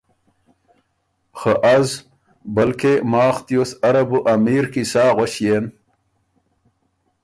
خه از بلکې ماخ تیوس اره بو امیر کی سا غؤݭيېن